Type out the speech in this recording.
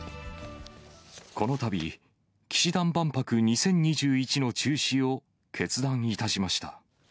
このたび、氣志團万博２０２１の中止を決断いたしました。